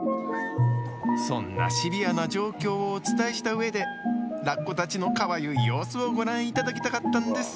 そんなシビアな状況をお伝えした上でラッコたちのかわゆい様子をご覧いただきたかったんです。